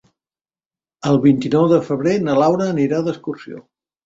El vint-i-nou de febrer na Laura anirà d'excursió.